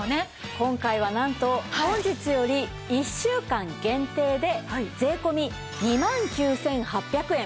今回はなんと本日より１週間限定で税込２万９８００円。